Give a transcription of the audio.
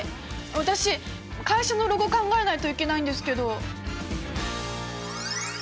私会社のロゴ考えないといけないんですけど！